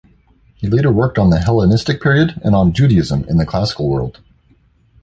He later worked on the Hellenistic period and on Judaism in the classical world.